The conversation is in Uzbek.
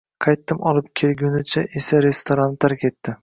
Qaytim olib kelingunicha esa restoranni tark etdi